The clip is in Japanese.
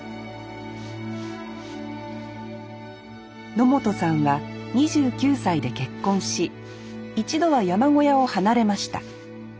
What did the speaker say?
野本さんは２９歳で結婚し一度は山小屋を離れました。